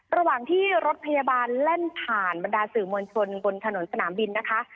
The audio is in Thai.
ระหว่างที่รถพยาบาลแล่นผ่านบรรดาสื่อมวลชนบนถนนสนามบินนะคะ